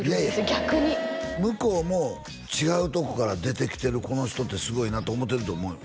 逆に向こうも違うとこから出てきてるこの人ってすごいなと思ってると思うよ